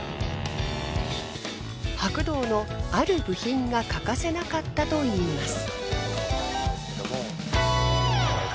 白銅のある部品が欠かせなかったといいます。